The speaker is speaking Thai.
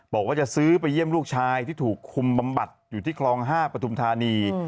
บอกว่าจะซื้อไปเยี่ยมลูกชายที่ถูกคุมบำบัดอยู่ที่คลอง๕ปฐุมธานี